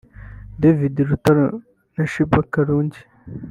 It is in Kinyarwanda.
David Lutalo na Sheebah Karungi